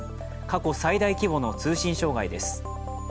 過去最大規模の通信障害です。